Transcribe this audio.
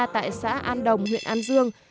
tại xã an đồng huyện an dương